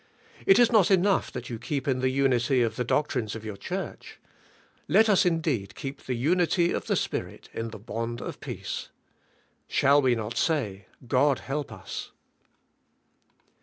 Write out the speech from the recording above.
It is not enough that you keep in the unity of the doctrines of your church. Let us indeed keep the unity of the Spirit in the bond of peace! Shall we not say, "God help us?"